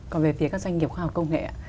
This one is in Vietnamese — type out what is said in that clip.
còn về phía các doanh nghiệp khoa học công nghệ ạ